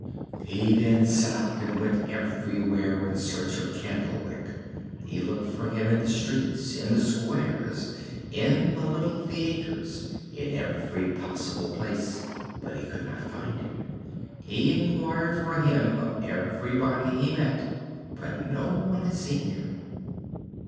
He then set out and went everywhere in search of Candlewick. He looked for him in the streets, in the squares, in the little theaters, in every possible place, but he could not find him. He inquired for him of everybody he met, but no one had seen him.